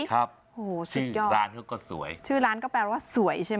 ครับชื่อร้านก็ก็สวยชื่อร้านก็แปลว่าสวยใช่ไหม